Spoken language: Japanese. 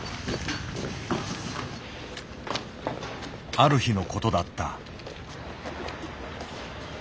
ある日のことだった。